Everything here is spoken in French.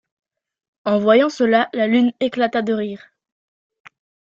En voyant cela la lune éclata de rire.